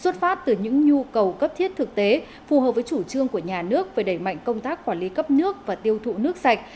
cầu cấp thiết thực tế phù hợp với chủ trương của nhà nước về đẩy mạnh công tác quản lý cấp nước và tiêu thụ nước sạch